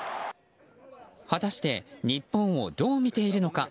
果たして日本をどう見ているのか。